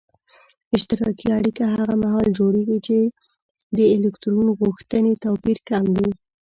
اشتراکي اړیکه هغه محال جوړیږي چې د الکترون غوښتنې توپیر کم وي.